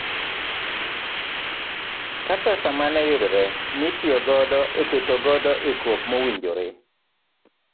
Ka pesa mane yudore nitiyo godo e keto godo ikruok mowinjore.